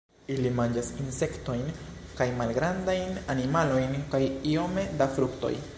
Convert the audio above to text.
Ili manĝas insektojn kaj malgrandajn animalojn kaj iome da fruktoj.